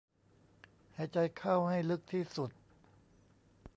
หายใจเข้าให้ลึกที่สุด